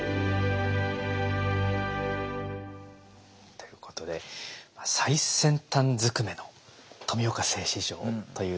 ということで最先端ずくめの富岡製糸場という感じでしたけれどもね